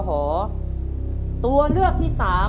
ขอบคุณครับ